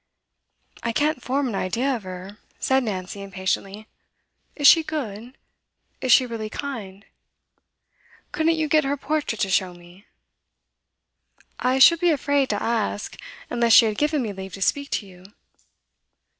'I can't form an idea of her,' said Nancy impatiently. 'Is she good? Is she really kind? Couldn't you get her portrait to show me?' 'I should be afraid to ask, unless she had given me leave to speak to you.